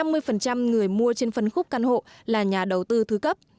nhiều phần trăm người mua trên phân khúc căn hộ là nhà đầu tư thứ cấp